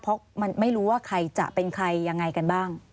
เพราะมันไม่รู้ว่าใครจะเป็นใครยังไงกันบ้าง